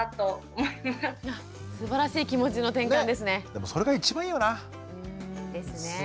でもそれが一番いいよな。ですね。